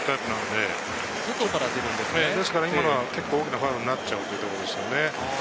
ですから今のは結構大きなファウルになっちゃうんですよね。